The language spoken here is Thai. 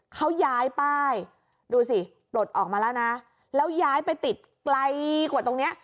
เขาย้ายป้ายดูสิปลดออกมาแล้วนะแล้วย้ายไปติดไกลกว่าตรงเนี้ย